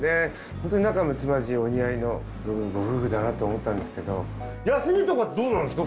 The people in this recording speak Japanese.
ホントに仲睦まじいお似合いのご夫婦だなと思ったんですけど休みとかってどうなんですか？